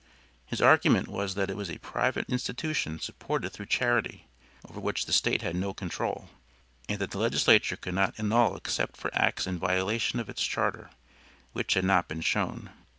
His argument was that it was a private institution supported through charity, over which the State had no control, and that the legislature could not annul except for acts in violation of its charter, which had not been shown.